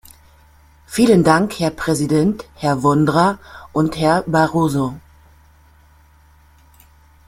Vielen Dank, Herr Präsident, Herr Vondra und Herr Barroso.